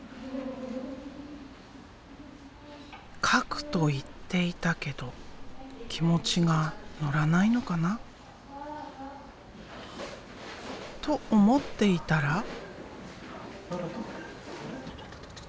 描くと言っていたけど気持ちが乗らないのかなと思っていたら。